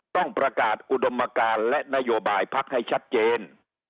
ต้องประกาศอุดมการและนโยบายพักให้ชัดเจน